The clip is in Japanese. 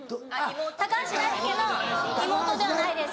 「高橋大輔の妹ではないですよ」